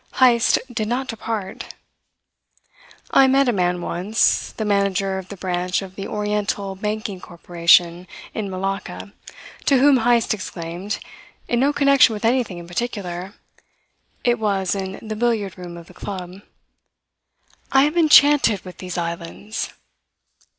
Heyst did not depart. I met a man once the manager of the branch of the Oriental Banking Corporation in Malacca to whom Heyst exclaimed, in no connection with anything in particular (it was in the billiard room of the club): "I am enchanted with these islands!"